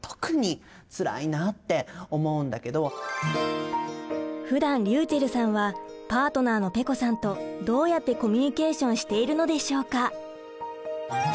やっぱりふだんりゅうちぇるさんはパートナーのぺこさんとどうやってコミュニケーションしているのでしょうか？